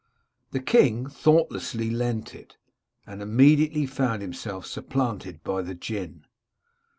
The king thoughtlessly lent it, and immediately found himself supplanted by the Jinn.